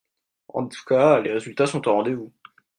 En tout cas, les résultats sont au rendez-vous